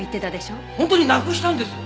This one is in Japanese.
本当になくしたんです！